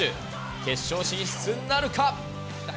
決勝進出なるか。